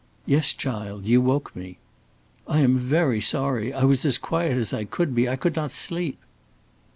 "Yes, child. You woke me." "I am very sorry. I was as quiet as I could be. I could not sleep."